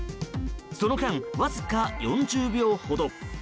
その間、わずか４０秒ほど。